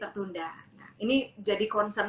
tertunda nah ini jadi concern